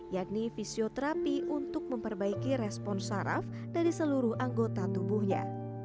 yakni fisioterapi untuk memperbaiki respon saraf dari seluruh anggota tubuhnya